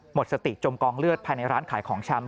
หมดสติจมกองเลือดภายในร้านขายของชำ